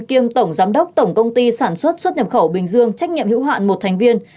kiêm tổng giám đốc tổng công ty sản xuất xuất nhập khẩu bình dương trách nhiệm hữu hạn một thành viên